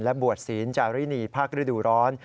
บวชศีลจารินีภาคฤดูร้อน